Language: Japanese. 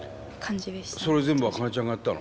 それ全部アカネちゃんがやったの？